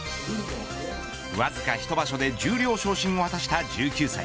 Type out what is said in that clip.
わずか１場所で十両昇進を果たした１９歳。